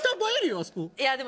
いやでも。